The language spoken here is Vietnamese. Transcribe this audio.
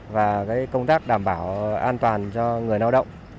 và công tác đảm bảo an toàn cho người lao động